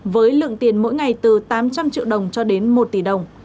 với lượng tiền mỗi ngày từ tám trăm linh triệu đồng cho đến một tỷ đồng